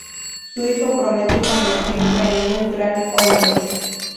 Su hijo promete convertirse en un gran hombre.